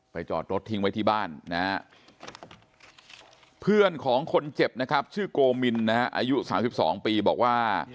จอดรถทิ้งไว้ที่บ้านนะฮะเพื่อนของคนเจ็บนะครับชื่อโกมินนะฮะอายุ๓๒ปีบอกว่า